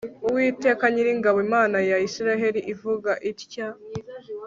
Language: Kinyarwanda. uwiteka nyiringabo imana ya isirayeli ivuga itya